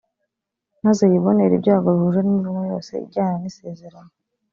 maze yibonere ibyago bihuje n’imivumo yose ijyana n’isezerano